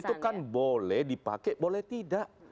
itu kan boleh dipakai boleh tidak